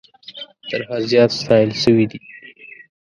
تر حد زیات ستایل سوي دي.